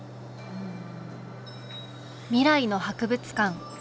「未来の博物館」